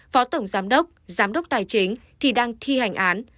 phó tổng giám đốc giám đốc tài chính thì đang thi hành án